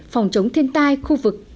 phòng chống thiên tai khu vực